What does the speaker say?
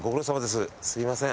すみません。